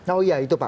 oh iya itu pak